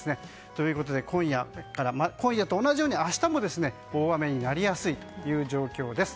ということで今夜と同じように明日も大雨になりやすい状況です。